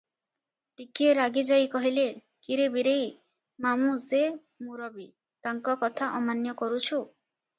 ଟିକିଏ ରାଗିଯାଇ କହିଲେ, "କି ରେ ବୀରେଇ! ମାମୁ ସେ, ମୁରବି, ତାଙ୍କ କଥା ଅମାନ୍ୟ କରୁଛୁ?